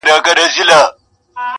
او مستې نرګسي سترګې یې